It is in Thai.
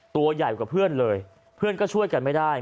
ตัวใหญ่กว่าเพื่อนเลยเพื่อนก็ช่วยกันไม่ได้